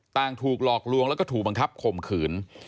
ต่างถูกหลอกลวงและถูกบังคับข่มขืน